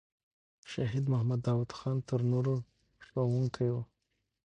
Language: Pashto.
شهید محمد داود خان تر نورو ښوونکی وو.